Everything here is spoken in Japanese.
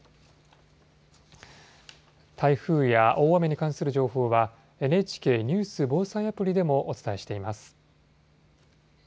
台風や大雨に関する情報はＮＨＫニュース・防災アプリでもお伝えしています。